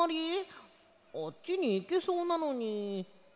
あっちにいけそうなのにいけないぞ。